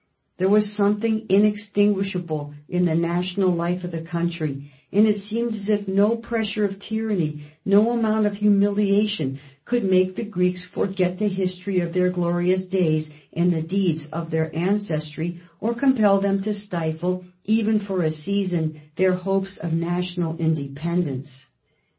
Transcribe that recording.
There was something inextinguishable in the national life of the country, and it seemed as if no pressure of tyranny, no amount of humiliation, could make the Greeks forget the history of their glorious days and the deeds of their ancestry, or compel them to stifle, even for a season, their hopes of national independence.